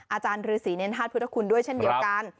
อาจารย์ฤษีเนรธาตุพุทธคุณด้วยเช่นเดียวกัน